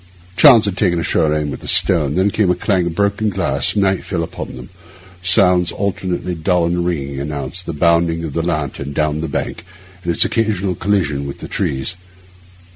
Chance had taken a sure aim with the stone. Then came a clang of broken glass; night fell upon them; sounds alternately dull and ringing announced the bounding of the lantern down the bank, and its occasional collision with the trees.